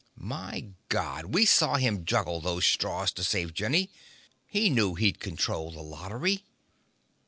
My God, we saw him juggle those straws to save Jenny! He knew he'd control the lottery."